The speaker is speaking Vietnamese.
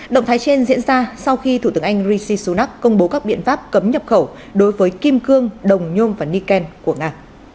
động thái trên diễn ra sau khi thủ tướng anh rishi sunak công bố các biện pháp cấm nhập khẩu đối với kim cương đồng nhôm và nikken của nga